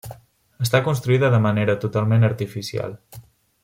Està construïda de manera totalment artificial.